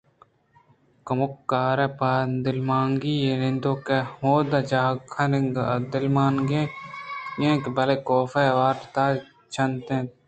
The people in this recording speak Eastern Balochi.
کمکار پہ دلمانگی نندوک ءُہمدا جاہ کنگءَ دلمانگ اِت اَنت بلئے کاف آوان ءَ تا چنت